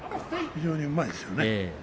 非常にうまいですよね。